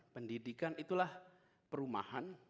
pendidikan itulah perumahan